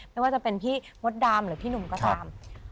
ไม่ว่าจะเป็นพี่มดดำหรือพี่หนุ่มก็ตาม